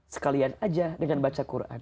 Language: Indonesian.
sekalian aja dengan baca quran